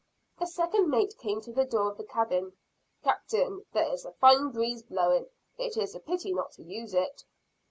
The second mate came to the door of the cabin. "Captain, there is a fine breeze blowing, it is a pity not to use it."